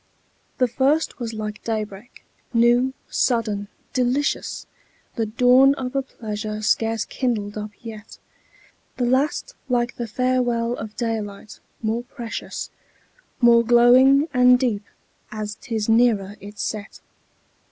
The first was like day break, new, sudden, delicious, The dawn of a pleasure scarce kindled up yet; The last like the farewell of daylight, more precious, More glowing and deep, as 'tis nearer its set.